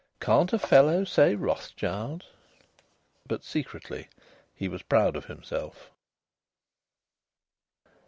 "Can't a fellow say 'Rothschild'?" But secretly he was proud of himself.